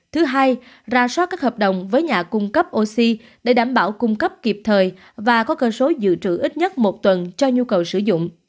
thứ hai ra soát các hợp đồng với nhà cung cấp oxy để đảm bảo cung cấp kịp thời và có cơn số dự trữ ít nhất một tuần cho nhu cầu sử dụng